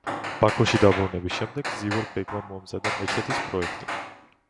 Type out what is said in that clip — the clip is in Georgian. ბაქოში დაბრუნების შემდეგ, ზივერ ბეგმა მოამზადა მეჩეთის პროექტი.